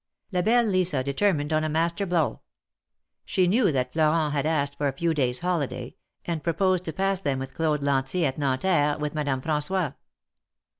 La belle Lisa determined on a master blow. She knew that Florent had asked for a few days' holiday, and pro posed to pass them with Claude Lantier at Nanterre, with Madame Fran9ois.